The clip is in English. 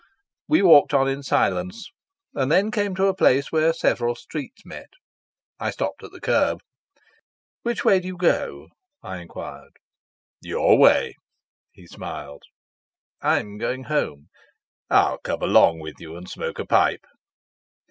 We walked on in silence, and then came to a place where several streets met. I stopped at the curb. "Which way do you go?" I enquired. "Your way," he smiled. "I'm going home." "I'll come along with you and smoke a pipe."